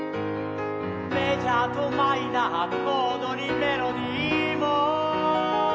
「メジャーとマイナーコードにメロディーも」